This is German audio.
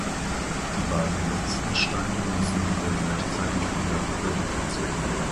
Die beiden letzten Steine müssen wieder gleichzeitig von der Hucke weggezogen werden.